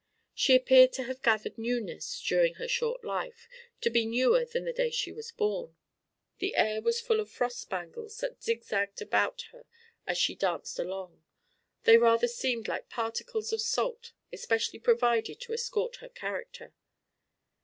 She appeared to have gathered newness during her short life, to be newer than the day she was born. The air was full of frost spangles that zigzagged about her as she danced along; they rather seemed like particles of salt especially provided to escort her character.